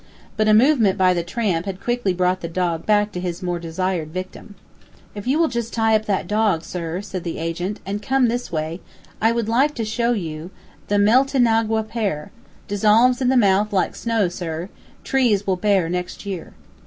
But a movement by the tramp had quickly brought the dog back to his more desired victim. "If you will just tie up that dog, sir," said the agent, "and come this way, I would like to show you the Meltinagua pear, dissolves in the mouth like snow, sir; trees will bear next year."